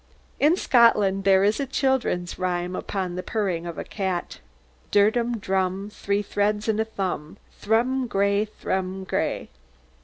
"In Scotland there is a children's rhyme upon the purring of the cat: Dirdum drum, Three threads and a thrum; Thrum gray, thrum gray!